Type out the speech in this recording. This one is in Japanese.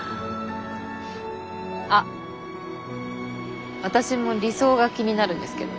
あっ私も理想が気になるんですけど。